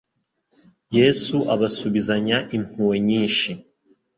Yesu abasubizanya impuhwe nyinshi